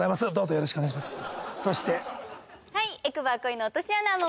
よろしくお願いします。